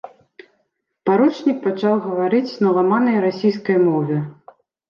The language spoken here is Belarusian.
Паручнік пачаў гаварыць на ламанай расійскай мове.